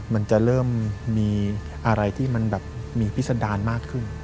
มันจะเริ่มมีอะไรที่มันแบบมีพิษดารมากขึ้น